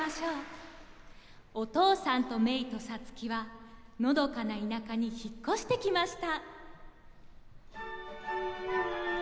お父さんとメイとサツキはのどかな田舎に引っ越してきました。